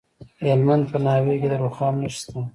د هلمند په ناوې کې د رخام نښې شته.